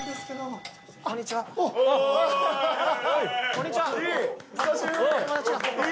こんにちは。